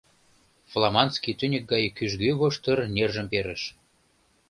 Фламандский тӱньык гай кӱжгӱ воштыр нержым перыш.